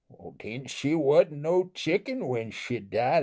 "Den she wasn't no chicken when she died.